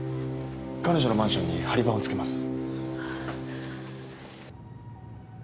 彼女のマンションに張り番をつけます。